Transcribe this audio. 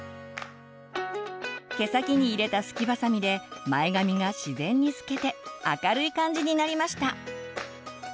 毛先に入れたスキバサミで前髪が自然にすけて明るい感じになりました。